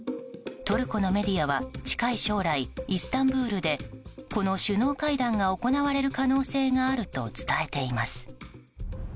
トルコのメディアは近い将来イスタンブールでこの首脳会談が行われる可能性があると伝えています。